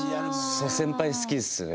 先輩好きですね。